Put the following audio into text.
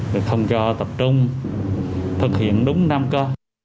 được thông cho tập trung thực hiện đúng năm cơ